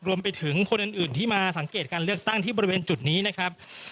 รวมไปถึงคนอื่นที่มาสังเกตการเลือกตั้งที่บริเวณจุดนี้นะครับ